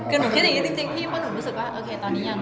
คือหนูคิดอย่างนี้จริงพี่เพราะหนูรู้สึกว่าโอเคตอนนี้ยัง